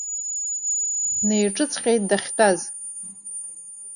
Неиҿыҵҟьеит дахьтәаз.